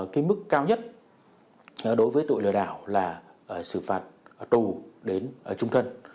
cái mức cao nhất đối với tội lừa đảo là xử phạt tù đến trung thân